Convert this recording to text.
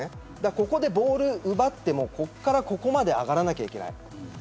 ここでボールを奪ってもここからここまで上がらなきゃいけない。